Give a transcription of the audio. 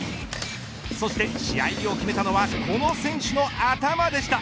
そして試合を決めたのはこの選手の頭でした。